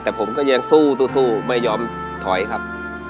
แต่ผมก็ยังสู้ไม่ยอมถอยครับ